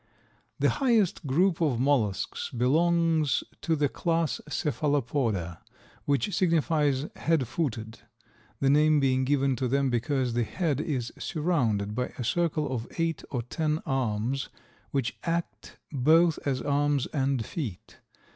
The highest group of mollusks belongs to the class Cephalopoda, which signifies head footed, the name being given to them because the head is surrounded by a circle of eight or ten arms, which act both as arms and feet.